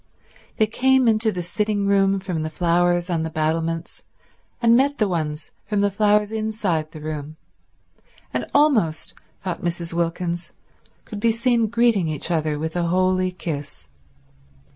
They came into the sitting room from the flowers on the battlements, and met the ones from the flowers inside the room, and almost, thought Mrs. Wilkins, could be seen greeting each other with a holy kiss.